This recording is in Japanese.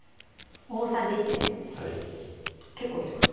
大さじ１ですね結構入れます